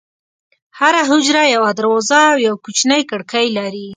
هره حجره یوه دروازه او یوه کوچنۍ کړکۍ لري.